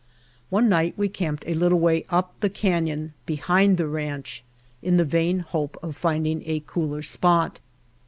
One night we camped a little way up the canyon behind the ranch in the vain hope of finding a cooler spot.